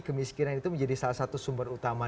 kemiskinan itu menjadi salah satu sumber utama